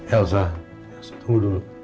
elsa tunggu dulu